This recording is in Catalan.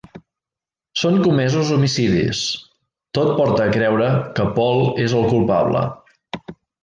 Són comesos homicidis: tot porta a creure que Paul és el culpable.